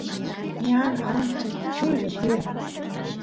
ñan ancha chulla kan